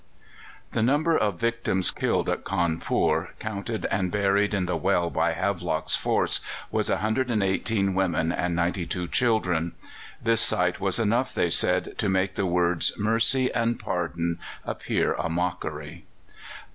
The number of victims killed at Cawnpore, counted and buried in the well by Havelock's force, was 118 women and 92 children. This sight was enough, they said, to make the words "mercy" and "pardon" appear a mockery.